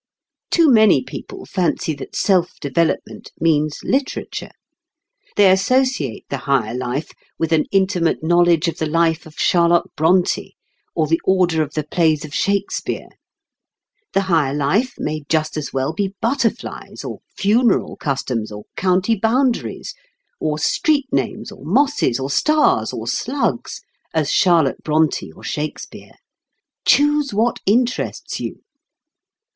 Too many people fancy that self development means literature. They associate the higher life with an intimate knowledge of the life of Charlotte Brontë, or the order of the plays of Shakespeare. The higher life may just as well be butterflies, or funeral customs, or county boundaries, or street names, or mosses, or stars, or slugs, as Charlotte Brontë or Shakespeare. Choose what interests you.